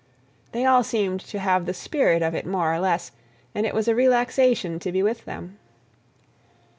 They all seemed to have the spirit of it more or less, and it was a relaxation to be with them.